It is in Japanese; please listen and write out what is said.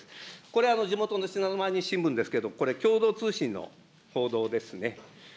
これ、地元の信濃毎日新聞ですけれども、これ共同通信の報道ですね。